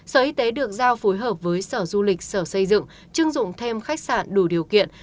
sở y tế được giao phối hợp với sở du lịch sở xây dựng chưng dụng thêm khách sạn đủ điều kiện